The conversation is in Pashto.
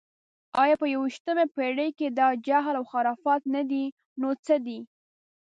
ایا په یویشتمه پېړۍ کې دا جهل و خرافات نه دي، نو څه دي؟